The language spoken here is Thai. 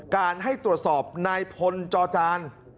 การให้ตรวจสอบนายพลจอจาน